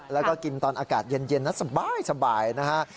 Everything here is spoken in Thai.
แล้วก็กินตอนอากาศเย็นนะสบายนะฮะ